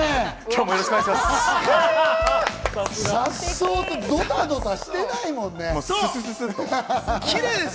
よろしくお願いします。